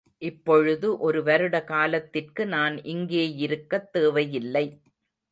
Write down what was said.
இப்பொழுது ஒரு வருட காலத்திற்கு நான் இங்கேயிருக்கத் தேவையில்லை.